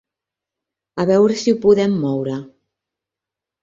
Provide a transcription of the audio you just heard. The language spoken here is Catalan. A veure si ho podem moure.